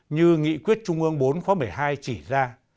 như nghị quyết trung ương bốn khóa một mươi hai chỉ ra